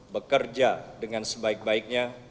bekerja dengan sebaik baiknya